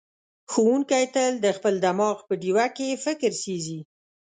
ښوونکی تل د خپل دماغ په ډیوه کې فکر سېځي.